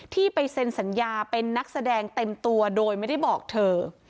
ที่ไปเซ็นสัญญาเป็นนักแสดงเต็มตัวโดยไม่ได้บอกเธอ